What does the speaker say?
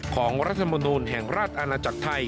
รัฐมนูลแห่งราชอาณาจักรไทย